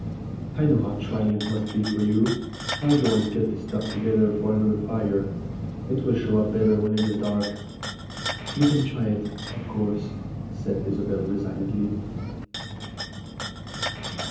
"I know how trying it must be for you. I'll go and get the stuff together for another fire; it will show up better when it is dark." "You can try it, of course," said Isobel resignedly.